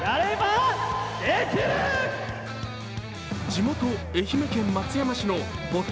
地元・愛媛県松山市の坊っ